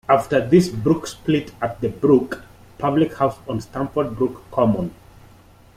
After this the brook split at "The Brook" public house on Stamford Brook Common.